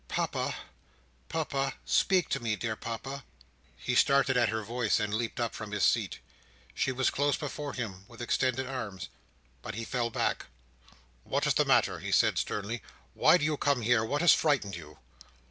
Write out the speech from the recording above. "Papa! Papa! speak to me, dear Papa!" He started at her voice, and leaped up from his seat. She was close before him with extended arms, but he fell back. "What is the matter?" he said, sternly. "Why do you come here? What has frightened you?"